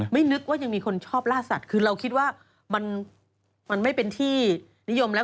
นึกว่ายังมีคนชอบล่าสัตว์คือเราคิดว่ามันไม่เป็นที่นิยมแล้ว